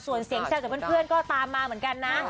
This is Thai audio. ส่วนเสียงแซวจากเพื่อนก็ตามมาเหมือนกันนะ